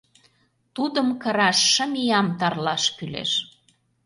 Тудым кыраш шым иям тарлаш кӱлеш...